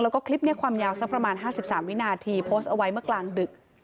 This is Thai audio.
แล้วก็คลิปนี้ความยาวสักประมาณ๕๓วินาทีโพสต์เอาไว้เมื่อกลางดึก